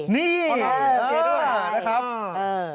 นี่โอเคด้วย